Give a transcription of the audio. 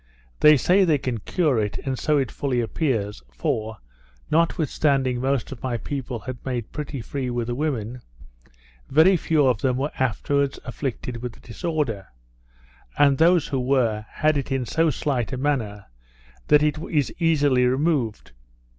They say they can cure it, and so it fully appears, for, notwithstanding most of my people had made pretty free with the women, very few of them were afterwards affected with the disorder; and those who were, had it in so slight a manner, that it is easily removed.